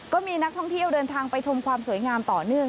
ก็มีนักท่องเที่ยวเดินทางไปชมความสวยงามต่อเนื่อง